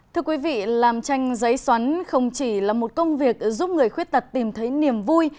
thưa quý vị làm tranh giấy xoắn không chỉ là một công việc giúp người khuyết tật tìm thấy niềm vui